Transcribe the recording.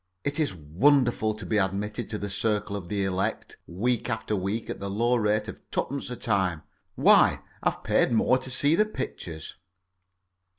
It is wonderful to be admitted to the circle of the elect, week after week, at the low rate of twopence a time. Why, I've paid more to see the pictures.